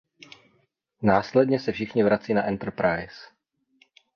Následně se všichni vrací na Enterprise.